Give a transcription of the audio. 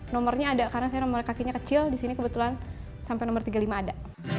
nomornya ada karena saya nomor kakinya kecil di sini kebetulan sampai nomor tiga puluh lima ada